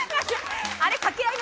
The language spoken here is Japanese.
あれ。